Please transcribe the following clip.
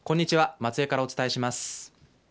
松江からお伝えします。